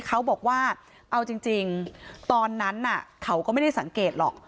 เขาบอกว่าเอาจริงตอนนั้นเขาก็ไม่ได้สังเกตหรอก